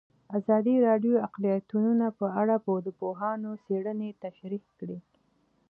ازادي راډیو د اقلیتونه په اړه د پوهانو څېړنې تشریح کړې.